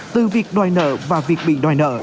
từ việc đòi nợ và việc bị đòi nợ